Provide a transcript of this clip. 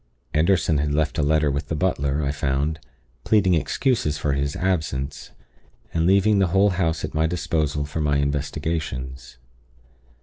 Anderson had left a letter with the butler, I found, pleading excuses for his absence, and leaving the whole house at my disposal for my investigations.